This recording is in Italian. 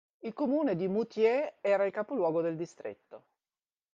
Il comune di Moutier era il capoluogo del distretto.